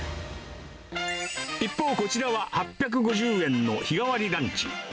一方、こちらは８５０円の日替わりランチ。